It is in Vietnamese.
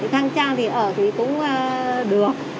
khang trang thì ở thì cũng được